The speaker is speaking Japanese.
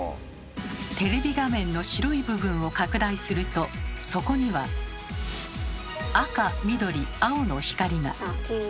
テレビ画面の白い部分を拡大するとそこには赤緑青の光が。